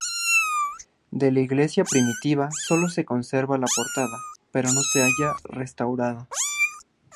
De la iglesia primitiva sólo se conserva la portada pero no se halla restaurada.